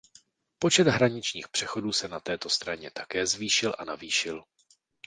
Počet hraničních přechodů se na této straně také zvýšil a navýšil.